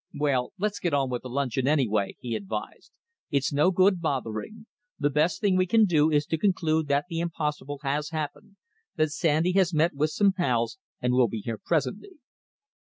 "Well, let's get on with luncheon, anyway," he advised. "It's no good bothering. The best thing we can do is to conclude that the impossible has happened that Sandy has met with some pals and will be here presently."